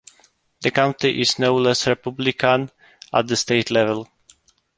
The county is no less Republican at the state level.